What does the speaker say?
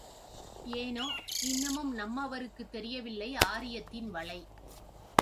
ஏனோ இன்னமும் நம்மவருக்குத் தெரியவில்லை ஆரியத்தின் வலை!